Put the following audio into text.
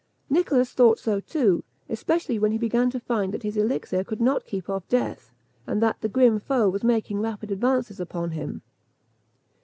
Nicholas thought so too, especially when he began to find that his elixir could not keep off death, and that the grim foe was making rapid advances upon him.